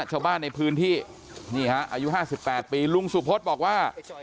ชาวบ้านในพื้นที่นี่ฮะอายุ๕๘ปีลุงสุพธบอกว่า